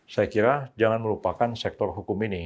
saya kira jangan melupakan sektor hukum ini